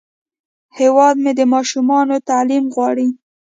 هیواد مې د ماشومانو تعلیم غواړي